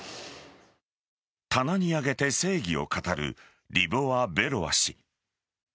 棚に上げて正義を語るリボワ・ベロワ氏。